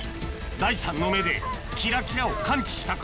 第３の目でキラキラを感知したか？